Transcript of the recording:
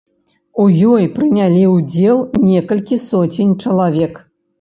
У ёй прынялі ўдзел некалькі соцень чалавек.